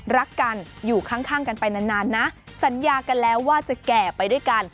รักกันอยู่ข้างกันไปนานนะสัญญากันแล้วว่าจะแก่ไปด้วยกัน